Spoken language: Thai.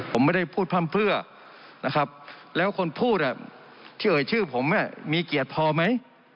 ผมไม่ได้พูดพร่ำเพื่อนะครับแล้วคนพูดที่เอ่ยชื่อผมมีเกียรติพอไหม